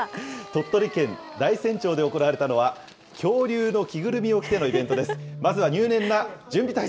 鳥取県大山町で行われたのは、恐竜の着ぐるみを着てのイベントかわいい。